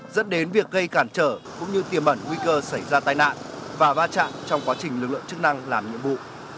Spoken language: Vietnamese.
dẫn đến việc gây cản trở cũng như tiềm ẩn nguy cơ xảy ra tai nạn và va chạm trong quá trình lực lượng chức năng làm nhiệm vụ